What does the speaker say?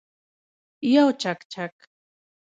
یو چکچک